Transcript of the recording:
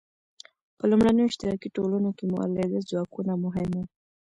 په لومړنیو اشتراکي ټولنو کې مؤلده ځواکونه مهم وو.